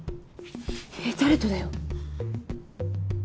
えっ誰とだよ？